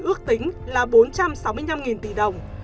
ước tính là bốn trăm sáu mươi năm tỷ đồng